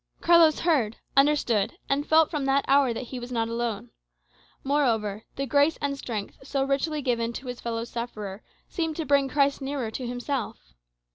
Carlos heard, understood, and felt from that hour that he was not alone. Moreover, the grace and strength so richly given to his fellow sufferer seemed to bring Christ nearer to himself.